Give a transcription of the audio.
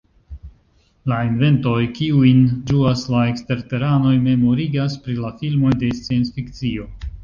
La inventoj kiujn ĝuas la eksterteranoj memorigas pri la filmoj de scienc-fikcio.